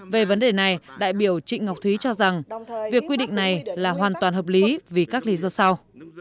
về vấn đề này đại biểu trịnh ngọc thúy cho rằng việc quy định này là hoàn toàn hợp lý vì các lý do sau